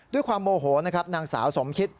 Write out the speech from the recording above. ด้วยความโมโหนะครับนางสาวสมคิต